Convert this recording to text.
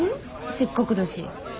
せっかくだし。